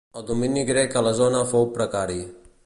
El domini grec a la zona fou precari.